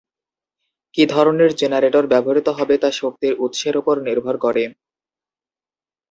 কী ধরনের জেনারেটর ব্যবহৃত হবে তা শক্তির উৎসের ওপর নির্ভর করে।